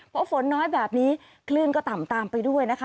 เพราะฝนน้อยแบบนี้คลื่นก็ต่ำตามไปด้วยนะคะ